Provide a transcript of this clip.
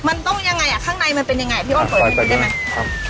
มันต้องยังไงอ่ะข้างในมันเป็นยังไงพี่อ้นเปิดไปได้ไหมครับ